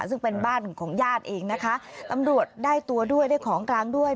ซึ่งเป็นบ้านของญาติเองนะคะตำรวจได้ตัวด้วยได้ของกลางด้วย